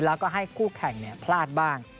แล้วก็ให้คู่แข่งพลาดบ้าง